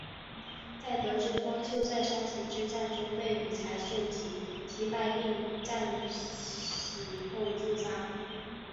在得知光秀在山崎之战中被羽柴秀吉击败并战死后自杀。